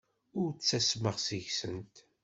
Ur ttasmeɣ seg-sent.